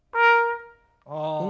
ああ。